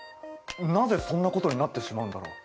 なぜそんなことになってしまうんだろう。